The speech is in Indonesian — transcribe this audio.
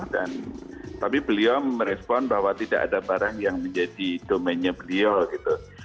dan tapi beliau merespon bahwa tidak ada barang yang menjadi domainnya beliau gitu